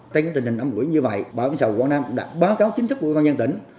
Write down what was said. tên tình hình năm cuối như vậy bảo hiểm y tế quảng nam đã báo cáo chính thức của ubnd tỉnh